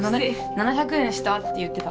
７００円したって言ってた。